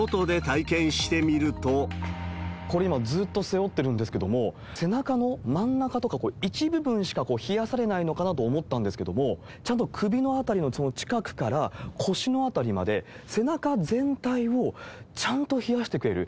これ、今、ずっと背負ってるんですけども、背中の真ん中とか、これ、一部分しか冷やされないのかなと思ったんですけども、ちゃんと首の辺りの近くから腰のあたりまで背中全体をちゃんと冷やしてくれる。